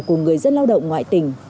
của người dân lao động ngoại tình